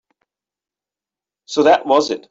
So that was it.